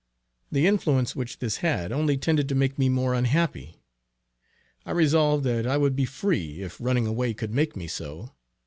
The influence which this had only tended to make me more unhappy. I resolved that I would be free if running away could make me so.